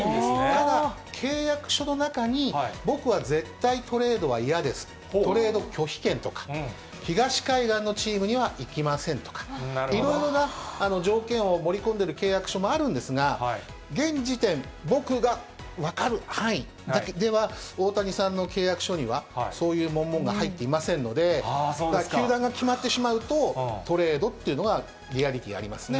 ただ、契約書の中に、僕は絶対、トレードは嫌ですと、トレード拒否権とか、東海岸のチームには行きませんとか、いろいろな条件を盛り込んでる契約書もあるんですが、現時点、僕が分かる範囲では、大谷さんの契約書には、そういう文言が入っていませんので、球団が決まってしまうと、トレードっていうのはリアリティーありますね。